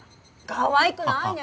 かわいくないね！